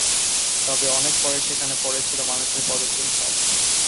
তবে অনেক পরে সেখানে পড়েছিল মানুষের পদচিহ্ন।